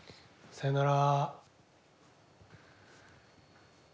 さようなら。